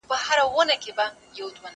ليکلي پاڼي ترتيب کړه!؟